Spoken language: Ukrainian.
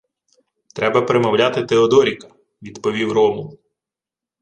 — Треба примовляти Теодоріка, — відповів Ромул.